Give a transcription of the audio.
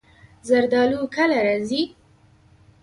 زردالو کله راځي؟